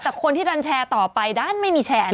แต่คนที่ดันแชร์ต่อไปด้านไม่มีแชร์